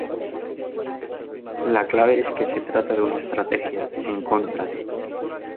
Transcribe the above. La clave es que se trata de una estrategia "en contra de".